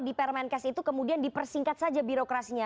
di permenkes itu kemudian dipersingkat saja birokrasinya